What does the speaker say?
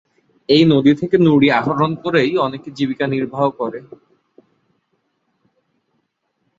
এই নদী থেকে নুড়ি আহরণ করে অনেকেই জীবিকা নির্বাহ করে।